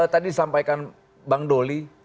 tadi disampaikan bang doli